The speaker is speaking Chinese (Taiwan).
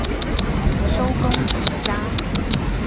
收工回家